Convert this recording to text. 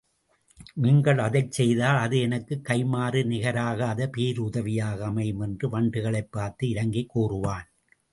நீங்கள் அதைச் செய்தால் அது எனக்குக் கைமாறு நிகராகாத பேருதவியாக அமையும்! என்று வண்டுகளைப் பார்த்து இரங்கிக் கூறுவான்.